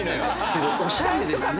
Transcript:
おしゃれですね。